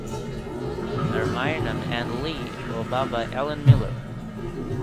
তার মায়ের নাম অ্যান লি ও বাবা অ্যালান মিলার।